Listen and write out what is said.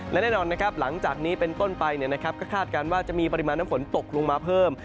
และแน่นอนนะครับหลังจากนี้เป็นต้นไปก็คาดการณ์ว่าจะมีปริมาณน้ำฝนตกลงมาเพิ่ม